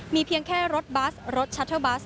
มีเพียงแค่รถบัสรถชัตเทอร์บัส